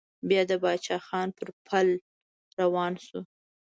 بيا د پاچا خان پر پل روان شو.